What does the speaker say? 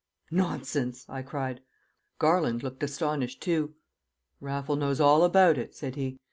"Nonsense!" I cried. Garland looked astonished too. "Raffles knows all about it," said he.